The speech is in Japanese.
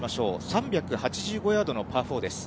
３８５ヤードのパー４です。